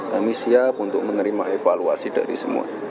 kami siap untuk menerima evaluasi dari semua